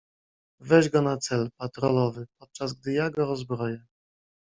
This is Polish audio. "Weź go na cel, patrolowy, podczas gdy ja go rozbroję."